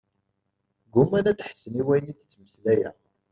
Gguman ad ḥessen i wayen i d-ttmeslayeɣ.